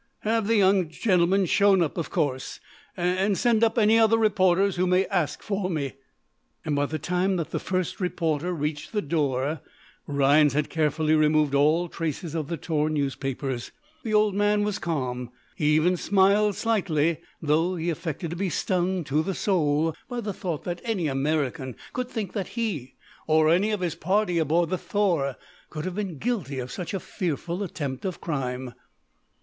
"Have the young gentleman shown up, of course. And send up any other reporters who may ask for me." By the time that the first reporter reached the door Rhinds had carefully removed all traces of the torn newspapers. The old man was calm. He even smiled slightly, though he affected to be stung to the soul by the thought that any American could think that he, or any of his party aboard the "Thor" could have been guilty of such a fearful attempt of crime.